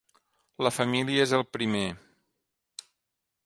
La família és el primer.